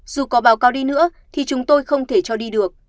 dù có báo cáo đi nữa thì chúng tôi không thể cho đi được